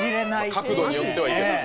角度によってはいけた？